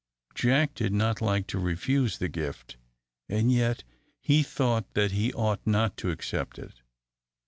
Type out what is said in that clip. Jack did not like to refuse the gift, and yet he thought that he ought not to accept it.